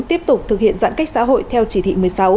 tiếp tục thực hiện giãn cách xã hội theo chỉ thị một mươi sáu